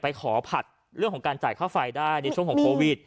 ขอผัดเรื่องของการจ่ายค่าไฟได้ในช่วงของโควิด